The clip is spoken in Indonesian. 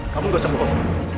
kamu gak usah bohong